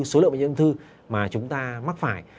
số lượng bệnh nhân ung thư mà chúng ta mắc phải